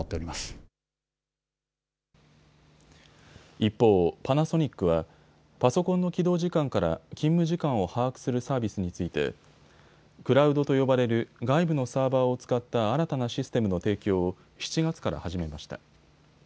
一方、パナソニックはパソコンの起動時間から勤務時間を把握するサービスについてクラウドと呼ばれる外部のサーバーを使った新たなシステムの提供を７月から始めました。